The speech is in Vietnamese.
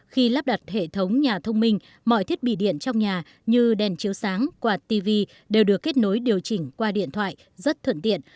khi lắp đặt hệ thống nhà thông minh mọi thiết bị điện trong nhà như đèn chiếu sáng quạt tv đều được kết nối điều chỉnh qua điện thoại rất thuận tiện